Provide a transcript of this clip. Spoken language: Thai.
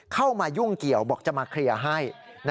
เข้ามายุ่งเกี่ยวบอกจะมาเคลียร์ให้